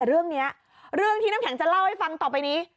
เรื่องนี้เรื่องที่น้ำแข็งจะเล่าให้ฟังต่อไปนี้